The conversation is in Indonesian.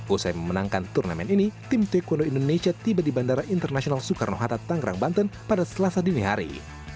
usai memenangkan turnamen ini tim taekwondo indonesia tiba di bandara internasional soekarno hatta tangerang banten pada selasa dini hari